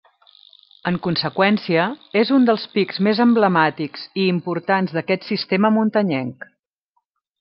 En conseqüència, és un dels pics més emblemàtics i importants d'aquest sistema muntanyenc.